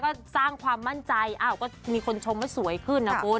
ก็สร้างความมั่นใจอ้าวก็มีคนชมว่าสวยขึ้นนะคุณ